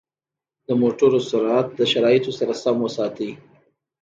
د موټرو سرعت د شرایطو سره سم وساتئ.